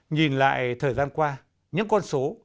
nhìn lại thời gian qua những con số